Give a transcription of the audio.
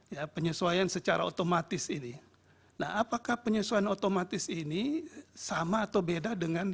ya penyesuaian secara otomatis ini nah apakah penyesuaian otomatis ini sama atau beda dengan